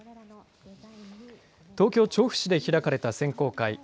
東京調布市で開かれた選考会。